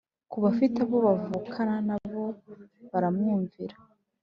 Ku bafite abo bavukana na bo baramwumvira